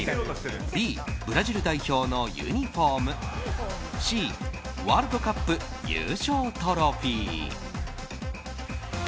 Ｂ、ブラジル代表のユニホームＣ、ワールドカップ優勝トロフィー。